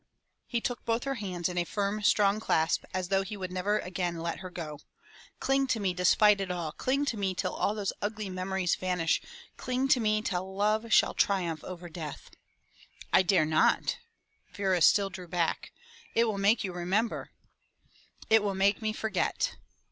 He took both her hands in a firm, strong clasp as though he would never again let her go. "Cling to me despite it all, cling to me till all those ugly memories vanish, cling to me till love shall triumph over death." " I dare not," Vera still drew back. " It will make you remem ber." "It will make me forget."